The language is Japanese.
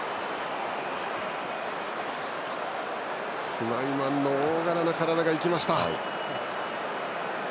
スナイマンの大柄な体が生きました。